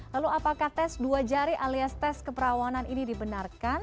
lalu apakah tes dua jari alias tes keperawanan ini dibenarkan